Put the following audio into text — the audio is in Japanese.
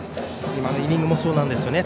今のイニングもそうなんですね。